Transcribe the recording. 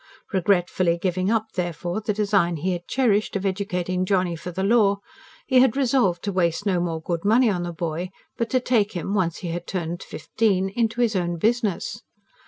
Regretfully giving up, therefore, the design he had cherished of educating Johnny for the law, he had resolved to waste no more good money on the boy, but to take him, once he was turned fifteen, into his own business.